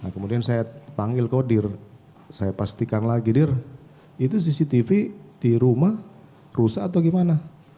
kemudian saya panggil kodir saya pastikan lagi dir itu cctv di rumah rusak atau gimana